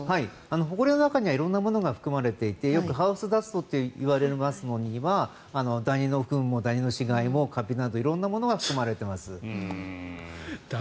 ほこりの中には色んなものが含まれていてよくハウスダストって言われますのにはダニのフンもダニの死骸もカビなど色んなものが含まれています。